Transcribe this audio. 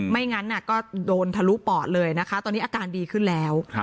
ไม่งั้นก็โดนทะลุปอดเลยนะคะตอนนี้อาการดีขึ้นแล้ว